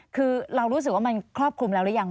คือเรารู้สึกว่ามันครอบคลุมแล้วหรือยัง